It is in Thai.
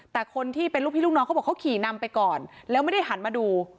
แต่คนที่เป็นลูกพี่ลูกน้องเขาบอกเขาขี่นำไปก่อนแล้วไม่ได้หันมาดู